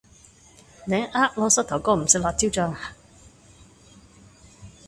你呃我膝頭哥唔食辣椒醬呀